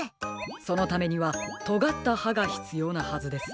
そのためにはとがったはがひつようなはずです。